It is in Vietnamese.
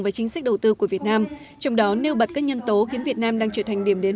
và chính sách đầu tư của việt nam trong đó nêu bật các nhân tố khiến việt nam đang trở thành điểm đến